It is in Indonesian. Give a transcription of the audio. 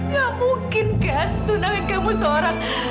gak mungkin kan tunangin kamu seorang